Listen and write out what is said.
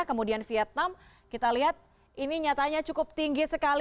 kemudian vietnam kita lihat ini nyatanya cukup tinggi sekali